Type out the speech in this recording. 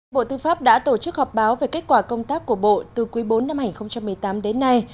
bộ tư pháp đã tổ chức họp báo về kết quả công tác của bộ từ quý bốn năm hai nghìn một mươi tám đến nay